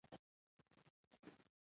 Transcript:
او په جرګه کې منلې وو .